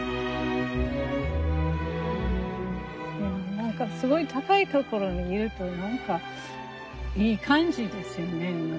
何かすごい高い所見ると何かいい感じですよね。